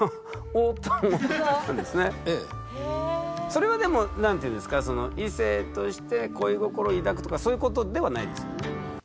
それはでも何ていうんですかその異性として恋心を抱くとかそういうことではないですよね？